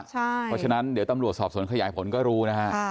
เพราะฉะนั้นเดี๋ยวตำรวจสอบสวนขยายผลก็รู้นะฮะ